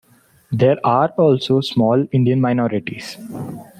There are also small Indian minorities.